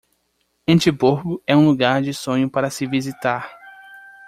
Edimburgo é um lugar de sonho para se visitar.